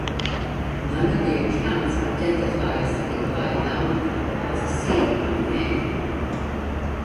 None of the accounts identifies the "high mountain" of the scene by name.